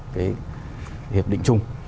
cái hiệp định chung